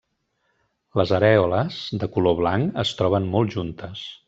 Les arèoles, de color blanc, es troben molt juntes.